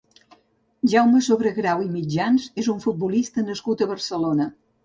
Jaume Sobregrau i Mitjans és un futbolista nascut a Barcelona.